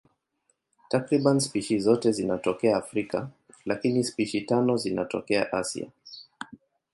Takriban spishi zote zinatokea Afrika, lakini spishi tano zinatokea Asia.